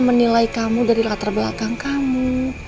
menilai kamu dari latar belakang kamu